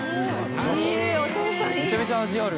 おぉめちゃめちゃ味ある。